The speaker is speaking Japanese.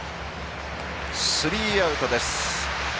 スリーアウトです。